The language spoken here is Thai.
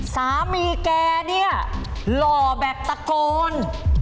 สามีแกเนี่ยหล่อแบบตะโกน